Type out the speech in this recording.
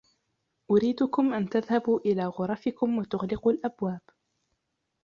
أريدكم أن تذهبوا إلى غرفكم وتغلقوا الأبواب.